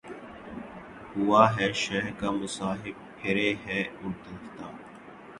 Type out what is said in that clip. ہوا ہے شہہ کا مصاحب پھرے ہے اتراتا